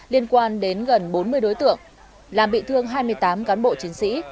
liên quan đến gần bốn mươi đối tượng làm bị thương hai mươi tám cán bộ chiến sĩ